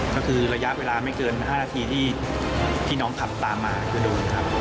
ก็คือระยะเวลาไม่เกิน๕นาทีที่น้องขับตามมาคือโดนครับ